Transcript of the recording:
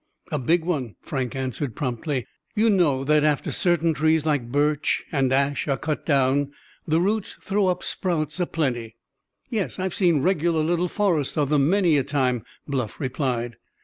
"A big one," Frank answered promptly. "You know that after certain trees like birch and ash are cut down, the roots throw up sprouts a plenty." "Yes; I've seen regular little forests of them, many a time," Bluff replied.